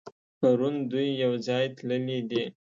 پرون دوی يوځای تللي دي.